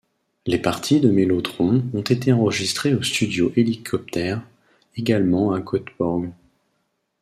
Les parties de mellotron ont été enregistrées au Studio Helikpoter, également à Gotheborg.